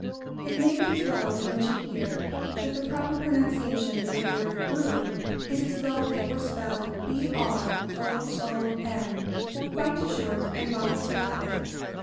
] It may be as well to mention here that the proper pronunciation of the word "brougham" is as though it were spelled "broom," quite short and monosyllabic.